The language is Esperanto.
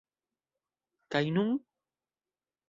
Kaj nun?